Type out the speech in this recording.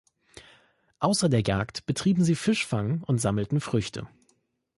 Außer der Jagd betrieben sie Fischfang und sammelten Früchte.